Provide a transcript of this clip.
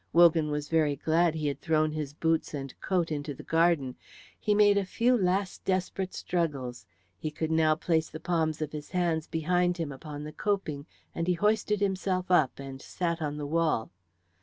Wogan was very glad he had thrown his boots and coat into the garden. He made a few last desperate struggles; he could now place the palms of his hands behind him upon the coping, and he hoisted himself up and sat on the wall.